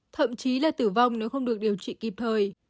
thậm chí là tử vong nếu không được điều trị kịp thời